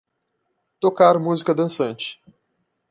Tocar música dançante